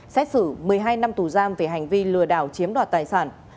xét xử một mươi hai năm tù giam về hành vi lừa đảo chiếm đoạt tài sản